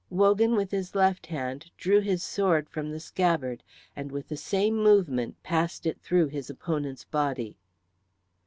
Wogan with his left hand drew his sword from the scabbard, and with the same movement passed it through his opponent's body.